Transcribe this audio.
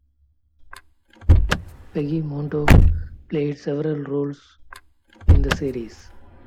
Peggy Mondo played several roles in the series.